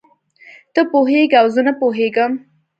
ته پوهېږې او زه نه پوهېږم.